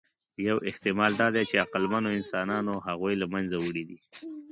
یو احتمال دا دی، چې عقلمنو انسانانو هغوی له منځه وړي دي.